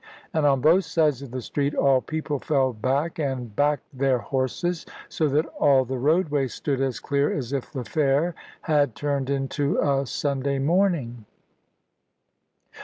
And on both sides of the street all people fell back and backed their horses, so that all the roadway stood as clear as if the fair had turned into a Sunday morning.